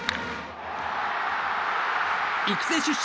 育成出身